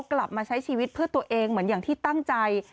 กลับมาใช้ชีวิตเพื่อตัวเองเหมือนอย่างที่ตั้งใจ